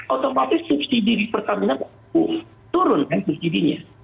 otomatis subsidi di pertamina turun kan subsidi nya